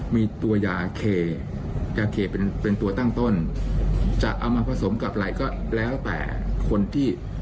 มีตัวยาเคยาเคเป็นเป็นตัวตั้งต้นจะเอามาผสมกับอะไรก็แล้วแต่คนที่